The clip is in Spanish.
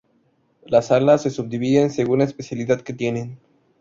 Las salas se subdividen según la especialidad que tienen.